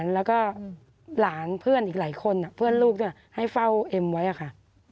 แล้วก็หลานเพื่อนอีกหลายคนเพื่อนลูกให้เฝ้าเอ็มไว้อะค่ะ